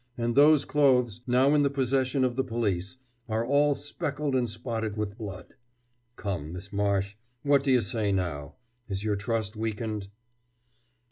And those clothes, now in the possession of the police, are all speckled and spotted with blood. Come, Miss Marsh what do you say now? Is your trust weakened?"